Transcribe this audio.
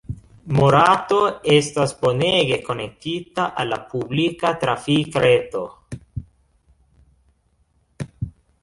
Morato estas bonege konektita al la publika trafikreto.